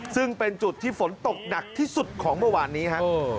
ซึ่งเป็นจุดที่ฝนตกหนักที่สุดของเมื่อวานนี้ครับ